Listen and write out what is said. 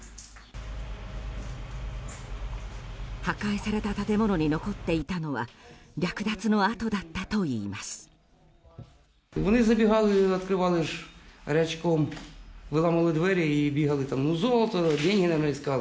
破壊された建物に残っていたのは略奪の跡だったといいます。